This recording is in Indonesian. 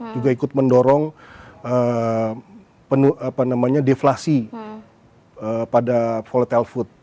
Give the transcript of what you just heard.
juga ikut mendorong deflasi pada volatile food